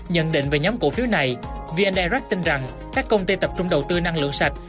nhận định về nhóm cổ phiếu này v a rac tin rằng các công ty tập trung đầu tư năng lượng sạch